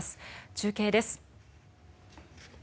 中継です。